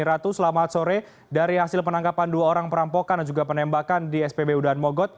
ratu selamat sore dari hasil penangkapan dua orang perampokan dan juga penembakan di spbu daan mogot